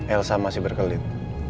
elsa masih berkelit